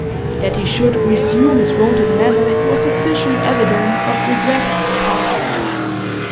That he should resume his wonted manner was sufficient evidence of regret on his part.